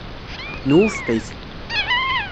Nwufeq-it.